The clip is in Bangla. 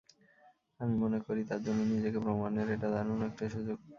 আমি মনে করি তার জন্য নিজেকে প্রমাণের এটা দারুণ একটা সুযোগ।